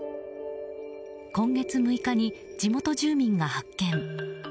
今月６日に地元住民が発見。